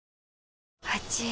あちぃ。